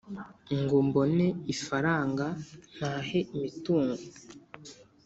Ngo mbone ifaranga mpahe imitungo